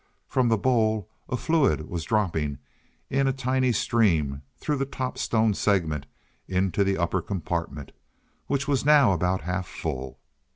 From the bowl a fluid was dropping in a tiny stream through the top stone segment into the upper compartment, which was now about half full.